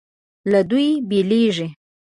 له دوی بېلېږي.